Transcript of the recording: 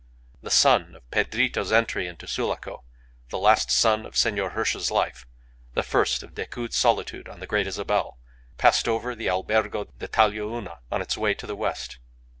The sun of Pedrito's entry into Sulaco, the last sun of Senor Hirsch's life, the first of Decoud's solitude on the Great Isabel, passed over the Albergo d'ltalia Una on its way to the west.